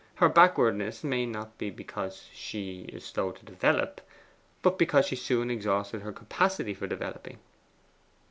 Her backwardness may be not because she is slow to develop, but because she soon exhausted her capacity for developing.